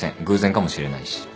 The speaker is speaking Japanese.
偶然かもしれないし。